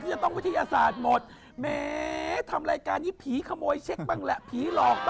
มีพระที่อาจารย์หมดมั๊ทำรายการนี่ผีขโมยเช็คบังแหร่